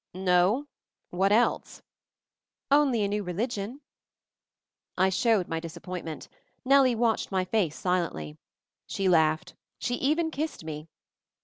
"No? What else?" "Only a New Religion." I showed my disappointment. Nellie watched my face silently. She laughed. She even kissed me.